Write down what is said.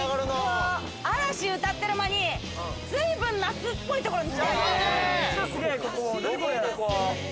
嵐を歌ってる間に、随分夏っぽいところに来たよ。